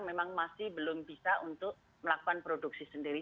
jadi untuk melengkapi dari pemeriksaan rt pcr ini kita harus melakukan produksi sendiri